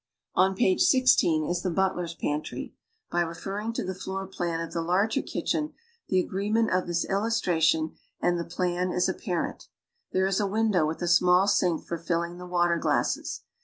On page IG is the butler's pantry. By referring to the floor plan of the larger kitchen, the agreement of this illustration and the plan is apparent. There is a window with a small sink for filling the water glasses.